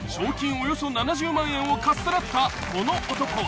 およそ７０万円をかっさらったこの男は］